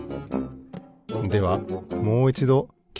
ではもういちどき